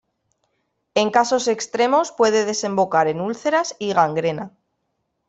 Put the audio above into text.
En casos extremos puede desembocar en úlceras y gangrena.